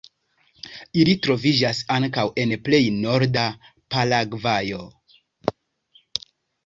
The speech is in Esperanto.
Ili troviĝas ankaŭ en plej norda Paragvajo.